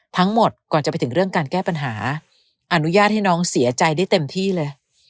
ทั้งหมดก่อนจะไปถึงเรื่องการแก้ปัญหาอนุญาตให้น้องเสียใจได้เต็มที่เลย